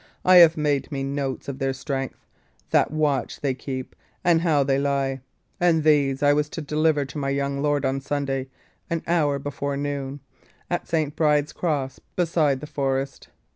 I have made me notes of their strength, what watch they keep, and how they lie; and these I was to deliver to my young lord on Sunday, an hour before noon, at St. Bride's Cross beside the forest.